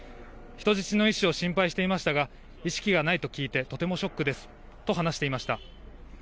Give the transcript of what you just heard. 人質の医師を心配していましたが意識がないと聞いてとてもショックですと話していました。